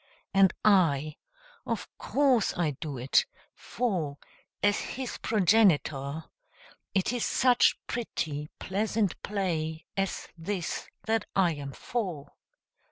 And I of course I do it; for, as his progenitor, It is such pretty, pleasant play as this that I am for!